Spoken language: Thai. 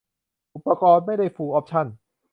อุปกรณ์คงไม่ได้ฟูลออปชั่น